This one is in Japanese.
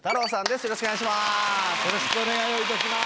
よろしくお願いします。